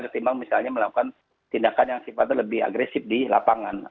ketimbang misalnya melakukan tindakan yang sifatnya lebih agresif di lapangan